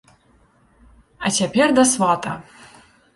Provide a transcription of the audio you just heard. А цяпер да свата.